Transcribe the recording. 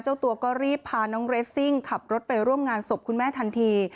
เจ้าตัวก็รีบพาน้องเรสซิ่งขับรถไปร่วมงานศพคุณแม่ทันที